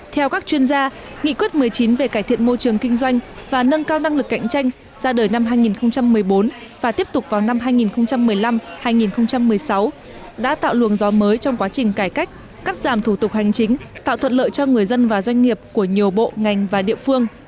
theo các chuyên gia nghị quyết một mươi chín về cải thiện môi trường kinh doanh và nâng cao năng lực cạnh tranh ra đời năm hai nghìn một mươi bốn và tiếp tục vào năm hai nghìn một mươi năm hai nghìn một mươi sáu đã tạo luồng gió mới trong quá trình cải cách cắt giảm thủ tục hành chính tạo thuận lợi cho người dân và doanh nghiệp của nhiều bộ ngành và địa phương